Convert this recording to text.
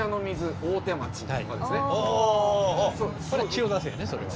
千代田線やねそれは。